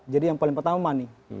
jadi yang paling pertama money